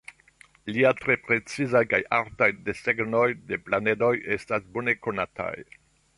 Lia tre precizaj kaj artaj desegnoj de planedoj estas bone konataj.